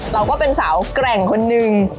เราก็เป็นสาวแกร่งคนหนึ่ง